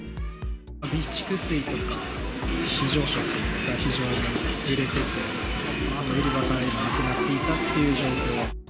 備蓄水とか非常食が非常に売れてて、売り場からなくなっていたという状況は。